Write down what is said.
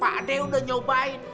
pak de udah nyobain